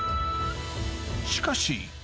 しかし。